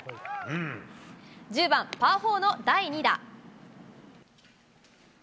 １０番、パー４の第２打。